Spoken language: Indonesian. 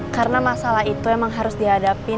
karena masalah itu emang harus dihadapin